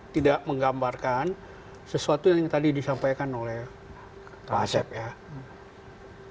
tidak menggambarkan sesuatu yang tadi disampaikan oleh pak asyaf